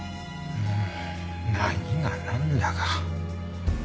もう何がなんだか。